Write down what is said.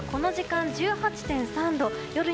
この時間、１８．３度。